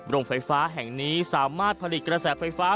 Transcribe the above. โรงไฟฟ้าแห่งนี้สามารถผลิตกระแสไฟฟ้า